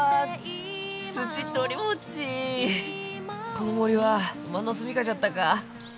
この森はおまんの住みかじゃったか。